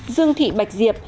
năm dương thị bạch diệp